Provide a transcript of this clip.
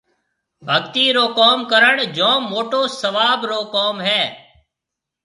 ڀگتِي رو ڪوم ڪرڻ جوم موٽو سواب رو ڪوم هيَ۔